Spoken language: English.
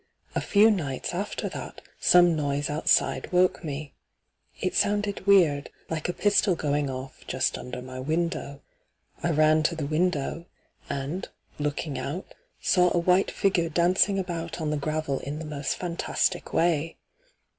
A few nights after that Bome noise oatside woke me. It sounded weird, hke a pistol going off just under my window. I ran to the window, and, looking out, saw a white figure dancing about on the gravel in the most fantastic way.